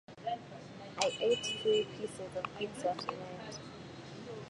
I ate three pieces of pizza tonight.